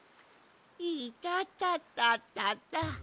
いたたたたた。